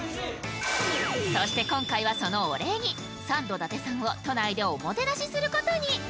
そして今回はそのお礼にサンド伊達さんを都内でおもてなしすることに。